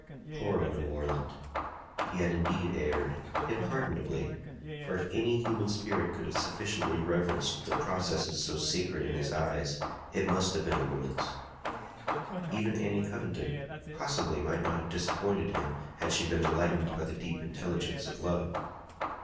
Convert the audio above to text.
Poor Owen Warland! He had indeed erred, yet pardonably; for if any human spirit could have sufficiently reverenced the processes so sacred in his eyes, it must have been a woman's. Even Annie Hovenden, possibly might not have disappointed him had she been enlightened by the deep intelligence of love.